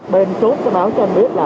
bên chốt sẽ báo cho anh biết là